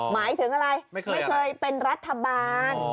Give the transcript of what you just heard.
หมายถึงอะไรไม่เคยเป็นรัฐบาล